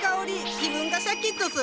気分がシャキッとする。